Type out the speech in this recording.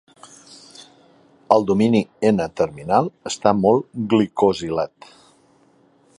El domini N-terminal està molt glicosilat.